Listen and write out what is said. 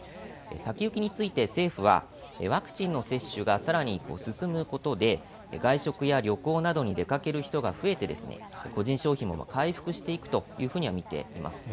先行きについて政府はワクチンの接種がさらに進むことで外食や旅行などに出かける人が増えて個人消費も回復していくと見ています。